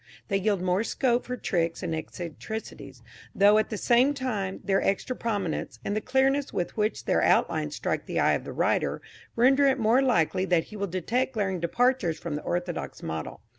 They yield more scope for tricks and eccentricity, though, at the same time, their extra prominence, and the clearness with which their outlines strike the eye of the writer render it more likely that he will detect glaring departures from the orthodox model.